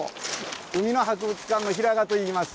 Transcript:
海の博物館の平賀といいます。